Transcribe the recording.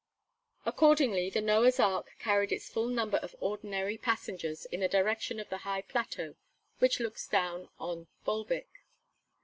Accordingly the Noah's Ark carried its full number of ordinary passengers in the direction of the high plateau which looks down on Volvic.